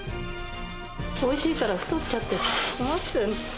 おいしいから太っちゃって困ってる。